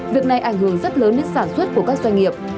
việc này ảnh hưởng rất lớn đến sản xuất của các doanh nghiệp